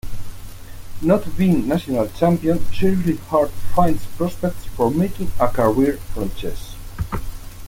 Not being national champion seriously hurt Fine's prospects for making a career from chess.